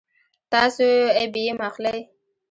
تاسو آی بي ایم اخلئ